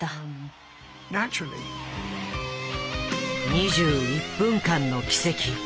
２１分間の奇跡。